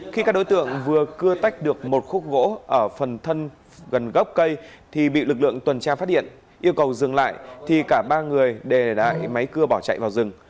khi các đối tượng vừa cưa tách được một khúc gỗ ở phần thân gần gốc cây thì bị lực lượng tuần tra phát hiện yêu cầu dừng lại thì cả ba người đều đã máy cưa bỏ chạy vào rừng